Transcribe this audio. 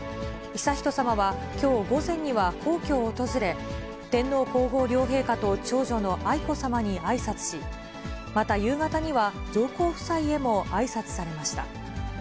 悠仁さまは、きょう午前には、皇居を訪れ、天皇皇后両陛下と長女の愛子さまにあいさつし、また夕方には、上皇夫妻へもあいさつされました。